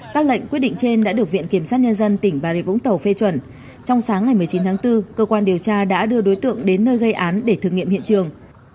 các lệnh quyết định trên đã được viện kiểm sát nhân dân tỉnh bà rịa vũng tàu phê chuẩn trong sáng ngày một mươi chín tháng bốn cơ quan điều tra đã đưa đối tượng đến nơi gây án để thử nghiệm hiện trường